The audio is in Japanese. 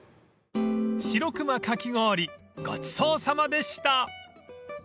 ［シロクマかき氷ごちそうさまでした］